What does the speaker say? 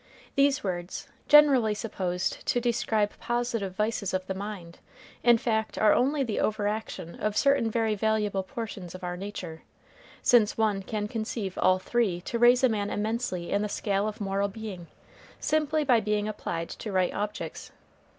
These words, generally supposed to describe positive vices of the mind, in fact are only the overaction of certain very valuable portions of our nature, since one can conceive all three to raise a man immensely in the scale of moral being, simply by being applied to right objects.